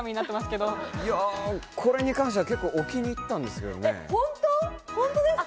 これに関しては置きにいったんですけどね。